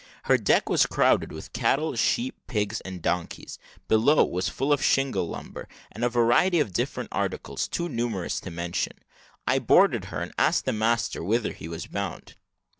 Her deck was crowded with cattle, sheep, pigs, and donkeys. Below was full of shingle lumber, and a variety of different articles too numerous to mention. I boarded her, and asked the master whither he was bound.